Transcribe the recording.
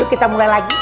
yuk kita mulai lagi